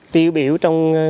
tiêu biểu trong